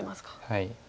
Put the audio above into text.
はい。